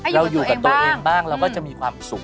เราอยู่กับตัวเองบ้างเราก็จะมีความสุข